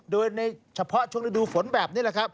โดยเฉพาะในช่วงฤดูฝนแบบนี้